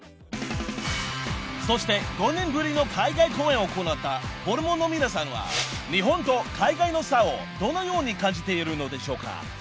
［そして５年ぶりの海外公演を行ったホルモンの皆さんは日本と海外の差をどのように感じているのでしょうか？］